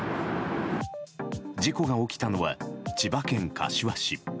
事故が起きたのは千葉県柏市。